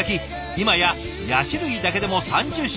今やヤシ類だけでも３０種類